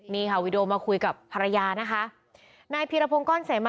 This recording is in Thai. นี่ค่ะวีดีโอมาคุยกับภรรยานะคะนายพีรพงศ์ก้อนเสมะ